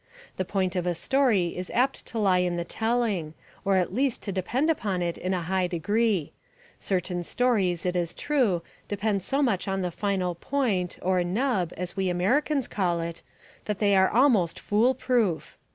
The point of a story is apt to lie in the telling, or at least to depend upon it in a high degree. Certain stories, it is true, depend so much on the final point, or "nub," as we Americans call it, that they are almost fool proof.